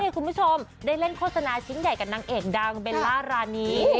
คุณผู้ชมได้เล่นโฆษณาชิ้นใหญ่กับนางเอกดังเบลล่ารานี